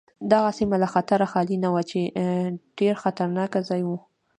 دغه سیمه له خطره خالي نه وه چې ډېر خطرناک ځای و.